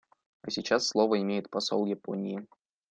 А сейчас слово имеет посол Японии.